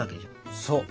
そう。